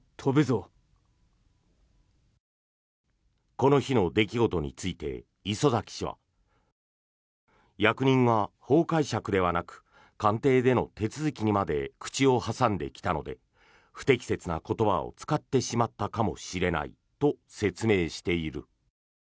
この日の出来事について磯崎氏は役人が法解釈ではなく官邸での手続きにまで口を挟んできたので不適切な言葉を使ってしまったかもしれないと説明している。